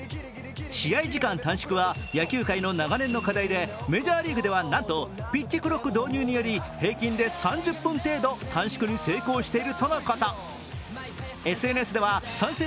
試合時間短縮は野球界の長年の課題でメジャーリーグでは、なんとピッチクロック導入により平均で３０分程度短縮に成功しているとのこと。